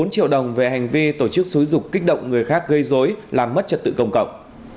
bốn triệu đồng về hành vi tổ chức xúi dục kích động người khác gây dối làm mất trật tự công cộng